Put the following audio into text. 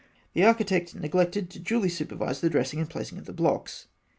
The architect neglected to duly supervise the dressing and placing of the blocks.